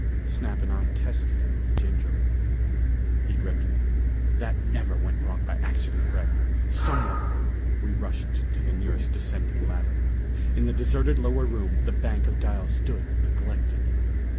Snap and I tested it gingerly. He gripped me. "That never went wrong by accident, Gregg! Someone " We rushed to the nearest descending ladder. In the deserted lower room the bank of dials stood neglected.